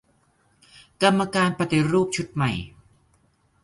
กรรมการปฏิรูปชุดใหม่